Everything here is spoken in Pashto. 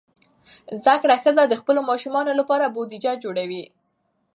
زده کړه ښځه د خپلو ماشومانو لپاره بودیجه جوړوي.